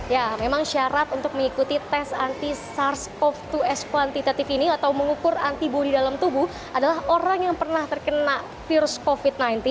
ya memang syarat untuk mengikuti tes anti sars cov dua s kuantitatif ini atau mengukur antibody dalam tubuh adalah orang yang pernah terkena virus covid sembilan belas